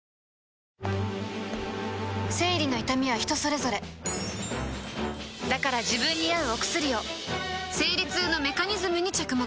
生理の痛みは人それぞれだから自分に合うお薬を生理痛のメカニズムに着目